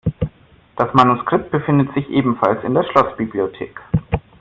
Das Manuskript befindet sich ebenfalls in der Schlossbibliothek.